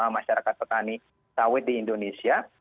masyarakat petani sawit di indonesia